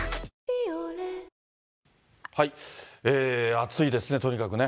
暑いですね、とにかくね。